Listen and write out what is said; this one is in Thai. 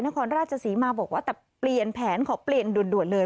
นครราชศรีมาบอกว่าแต่เปลี่ยนแผนขอเปลี่ยนด่วนเลย